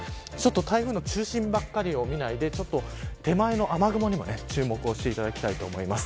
台風の中心ばかりを見ないで手前の雨雲にも注目していただきたいと思います。